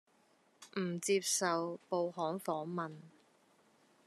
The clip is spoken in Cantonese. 不接受報刊訪問